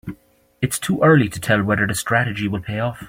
Its too early to tell whether the strategy will pay off.